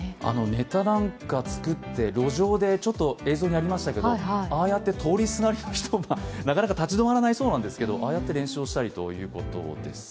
ネタなんか作って路上で映像にありましたけど、ああやって通りすがりの人がなかなか立ち止まらないそうなんですけれども、ああやって練習したりするそうです。